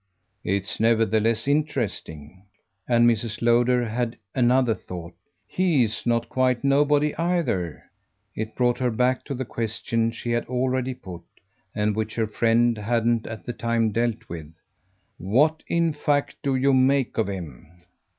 "It's nevertheless interesting." And Mrs. Lowder had another thought. "HE'S not quite nobody either." It brought her back to the question she had already put and which her friend hadn't at the time dealt with. "What in fact do you make of him?"